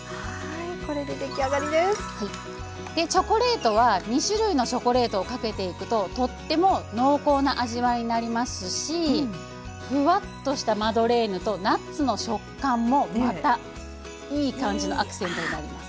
チョコレートは２種類のチョコレートをかけていくと、とっても濃厚な味わいになりますしふわっとしたマドレーヌとナッツの食感もまた、いい感じのアクセントになります。